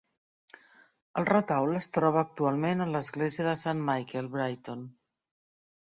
El retaule es troba actualment a l"església de Saint Michael, Brighton.